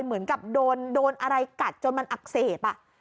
เหมือนกับโดนอะไรกัดจนมันอักเสบ